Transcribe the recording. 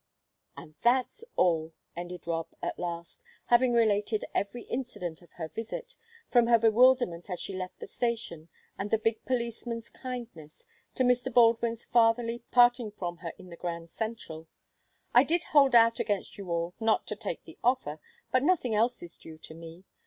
"And that's all," ended Rob, at last, having related every incident of her visit, from her bewilderment as she left the station, and the big policeman's kindness, to Mr. Baldwin's fatherly parting from her in the Grand Central. "I did hold out against you all not to take the offer, but nothing else is due to me.